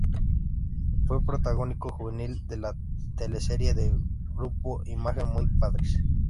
Fue protagónico juvenil de la teleserie de Grupo Imagen "¡Muy padres!